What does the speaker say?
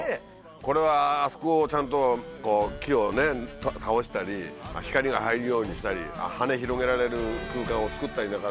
これはあそこをちゃんと木を倒したり光が入るようにしたり羽広げられる空間をつくったりなんかする。